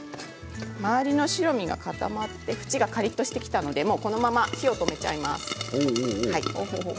周りの白身が固まって縁がカリっとしてきたのでこのまま火を止めちゃいます。